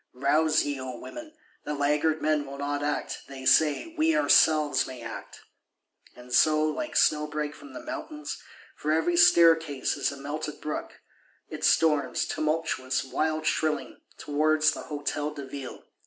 Rouse ye, O women; the laggard men will not act; they say, we ourselves may act! And so, like snowbreak from the mountains, for every staircase is a melted brook, it storms; tumultuous, wild shrilling, towards the Hôtel de Ville.